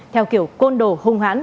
theo kiểu côn đồ hung hãn